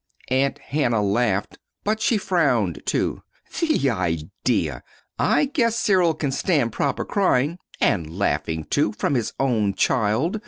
Aunt Hannah laughed, but she frowned, too. "The idea! I guess Cyril can stand proper crying and laughing, too from his own child!"